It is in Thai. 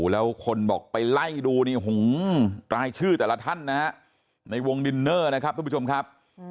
แล้วคนบอกไปไล่ดูนี่รายชื่อแต่ละท่านนะฮะในวงดินเนอร์นะครับทุกผู้ชมครับ